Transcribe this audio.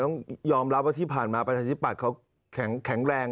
ต้องยอมรับว่าที่ผ่านมาประชาธิปัตย์เขาแข็งแรง